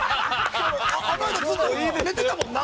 あのあとずっと家で寝てたもんな。